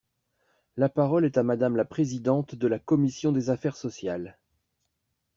La parole est à Madame la Présidente de la commission des affaires sociales.